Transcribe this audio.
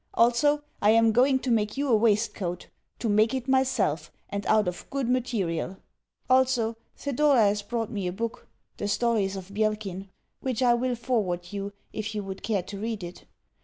Also, I am going to make you a waistcoat to make it myself, and out of good material. Also, Thedora has brought me a book "The Stories of Bielkin" which I will forward you, if you would care to read it.